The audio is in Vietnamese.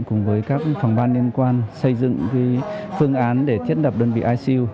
cùng với các phòng ban liên quan xây dựng phương án để thiết đập đơn vị icu